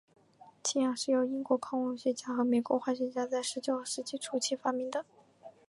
氢氧是由英国矿物学家和美国化学家在十九世纪初期发明的。